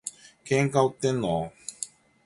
喧嘩売ってんの？